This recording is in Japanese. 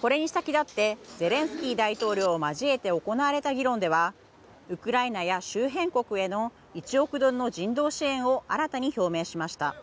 これに先立ってゼレンスキー大統領を交えて行われた議論ではウクライナや周辺国への１億ドルの人道支援を新たに表明しました。